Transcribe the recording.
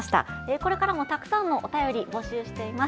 これからもたくさんのお便り募集しています。